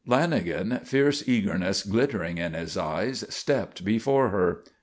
Lanagan, fierce eagerness glittering in his eyes, stepped before her.